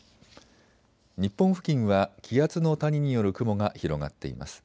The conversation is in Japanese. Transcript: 日本付近は気圧の谷による雲が広がっています。